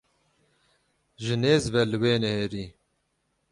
Ji nêz ve li wê nihêrî.